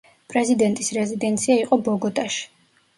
პრეზიდენტის რეზიდენცია იყო ბოგოტაში.